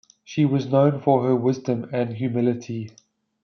She was known for her wisdom and humility.